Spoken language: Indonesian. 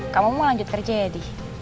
kamu mau lanjut kerja yg